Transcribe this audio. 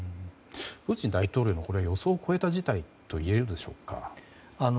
プーチン大統領の予想を超えた事態といえるでしょうか。